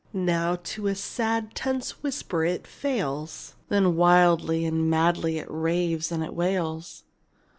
Now to a sad, tense whisper it fails, Then wildly and madly it raves and it wails.